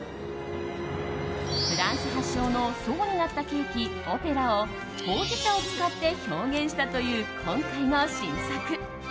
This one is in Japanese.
フランス発祥の層になったケーキ、オペラをほうじ茶を使って表現したという今回の新作。